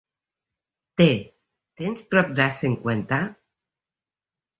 Té, tens prop de cinquanta?